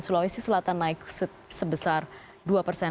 sulawesi selatan naik sebesar dua persen